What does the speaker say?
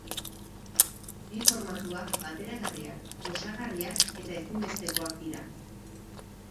Bi formatuak bateragarriak, osagarriak eta ezinbestekoak dira.